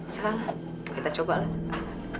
selama kita cobalah